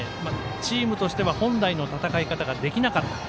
チームとしては本来の戦い方ができなかった。